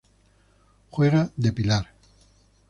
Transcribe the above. Juega de pilar.